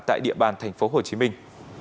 tại địa bàn thành phố hồ chí minh